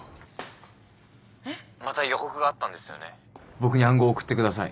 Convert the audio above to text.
僕に暗号を送ってください。